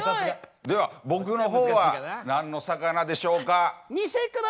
では僕の方は何の魚でしょうか。